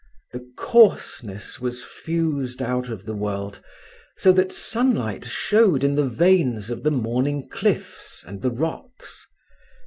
The coarseness was fused out of the world, so that sunlight showed in the veins of the morning cliffs and the rocks.